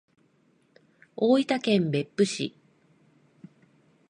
大分県別府市